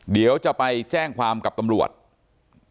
เดี๋ยวจะไปแจ้งความกับตำรวจ